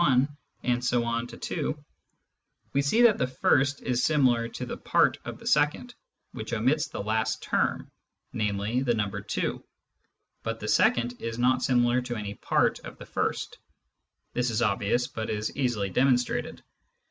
■•■ 2, we see that the first is similar to the part of the second which omits the last term, namely, the number 2, but the second is not similar to any part of the first. (This is obvious, but is easily demonstrated.)